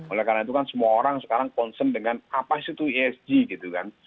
oleh karena itu kan semua orang sekarang concern dengan apa sih itu esg gitu kan